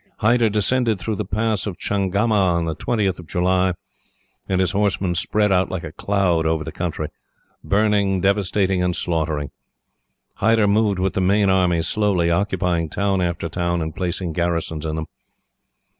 Hyder descended through the pass of Changama on the 20th of July, and his horsemen spread out like a cloud over the country, burning, devastating, and slaughtering. Hyder moved with the main army slowly, occupying town after town, and placing garrisons in them.